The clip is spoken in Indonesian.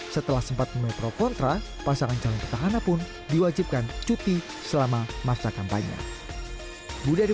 setelah sempat menuai pro kontra pasangan calon petahana pun diwajibkan cuti selama masa kampanye